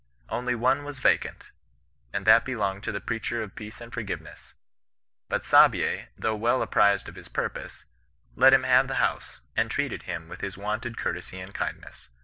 Only one was vacant, and that be longed to the preacher of peace and forgiveness ; but Saabye, though well apprize] of his purpose, let him have the house, and treated him with his wonted cour tesy and kindness.